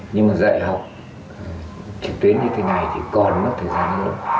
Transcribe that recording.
nhưng mà dạy học trực tuyến như thế này thì còn mất thời gian nữa